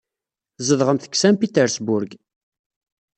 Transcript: Tzedɣemt deg Saint Petersburg.